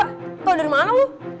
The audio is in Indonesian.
lo tau dari mana lo